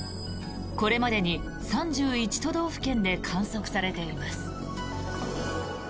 これまでに３１都道府県で観測されています。